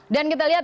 dan kita lihat